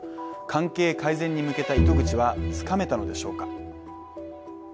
関係改善に向けた糸口はつかめたのでしょうか